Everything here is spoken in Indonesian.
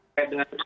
kayak dengan hoaks